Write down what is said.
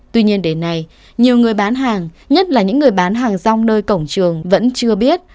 tuy nhiên đến nay nhiều người bán hàng nhất là những người bán hàng rong nơi cổng trường vẫn chưa biết